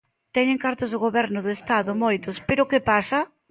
Teñen cartos do Goberno do Estado, moitos, pero ¿que pasa?